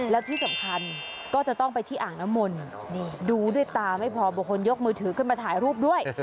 แล้วที่สำคัญก็จะต้องไปที่อ่างน้ำมนต์ดูด้วยตาไม่พอบางคนยกมือถือขึ้นมาถ่ายรูปด้วย